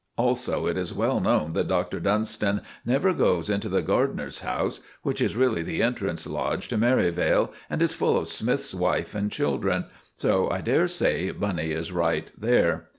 Also it is well known that Dr. Dunstan never goes into the gardener's house; which is really the entrance lodge to Merivale, and is full of Smith's wife and children. So I dare say Bunny is right there.